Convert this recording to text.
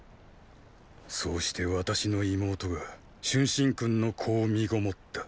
そうして私の妹が春申君の子を身籠った。